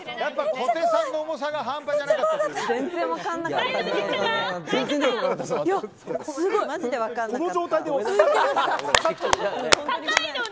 小手さんの重さが半端じゃなかったということで。